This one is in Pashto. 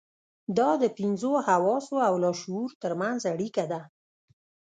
دا د پنځو حواسو او لاشعور ترمنځ اړيکه ده.